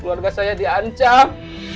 keluarga saya di ancam